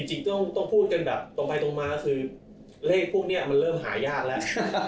จริงต้องพูดกันแบบตรงไปตรงมาคือเลขพวกนี้มันเริ่มหายากแล้ว